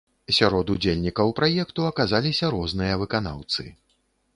Сярод удзельнікаў праекту аказаліся розныя выканаўцы.